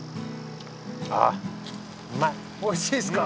おいしいですか？